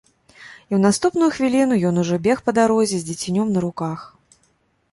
І ў наступную хвіліну ён ужо бег па дарозе з дзіцянём на руках.